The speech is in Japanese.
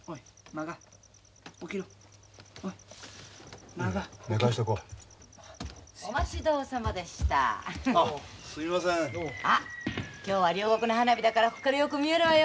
あっ今日は両国の花火だからここからよく見えるわよ。